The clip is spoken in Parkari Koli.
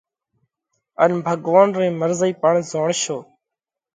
ان ڀڳوونَ رئِي مرضئِي پڻ زوڻشو۔